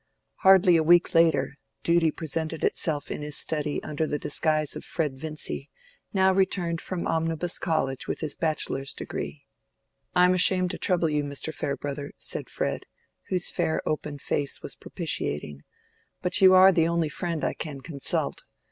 Hardly a week later, Duty presented itself in his study under the disguise of Fred Vincy, now returned from Omnibus College with his bachelor's degree. "I am ashamed to trouble you, Mr. Farebrother," said Fred, whose fair open face was propitiating, "but you are the only friend I can consult.